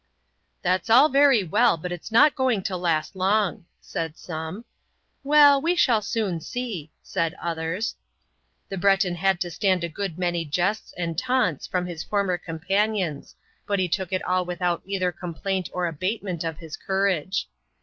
"That's all very well, but it's not going to last long," said some. "Well, we shall soon see," said others. The Breton had to stand a good many jests and taunts from his former companions but he took it all without either complaint or abatement of his courage.